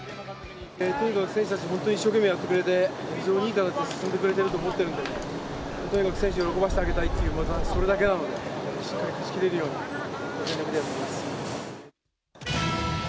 とにかく選手たち、本当に一生懸命やってくれて、非常にいい形で進んでくれていると思っているので、とにかく選手を喜ばせてあげたい、それだけなので、しっかり勝ちきれるように、全力でやっていきます。